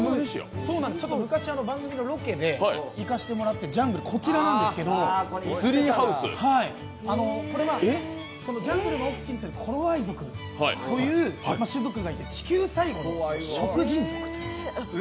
昔、番組のロケで行かせてもらってジャングルなんですけどこれは、ジャングルの奥地に住むコロワイ族がいて地球最後の食人族。